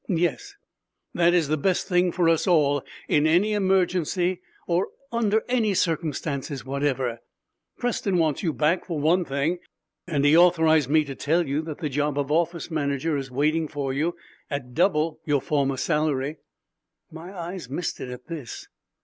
"Yes. That is the best thing for us all, in any emergency or under any circumstances whatever. Preston wants you back for one thing, and he authorized me to tell you that the job of office manager is waiting for you at double your former salary." My eyes misted at this.